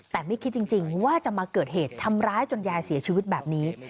แต่ไม่คิดจริงว่าจะมาเกิดเหตุทำร้ายจนยายเสียชีวิตแบบนี้